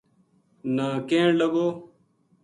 نا کہن لگو